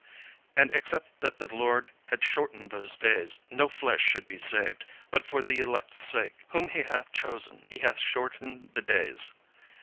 And except that the Lord had shortened those days, no flesh should be saved: but for the elect's sake, whom he hath chosen, he hath shortened the days.